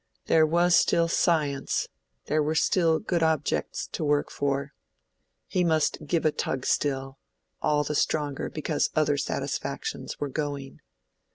There was still science—there were still good objects to work for. He must give a tug still—all the stronger because other satisfactions were going.